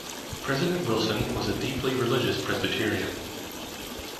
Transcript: President Wilson was a deeply religious Presbyterian.